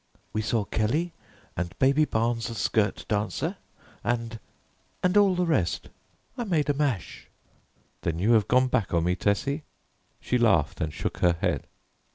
"We saw Kelly and Baby Barnes the skirt dancer and and all the rest. I made a mash." "Then you have gone back on me, Tessie?" She laughed and shook her head.